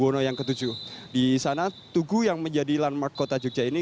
dan di sana tugu yang menjadi landmark kota yogyakarta ini